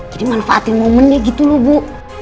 jadi manfaatin momennya gitu loh bu